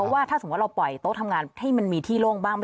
ยกเว้นต้นไม้ปลอมนะ